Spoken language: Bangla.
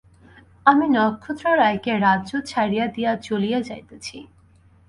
আমি নক্ষত্ররায়কে রাজ্য ছাড়িয়া দিয়া চলিয়া যাইতেছি।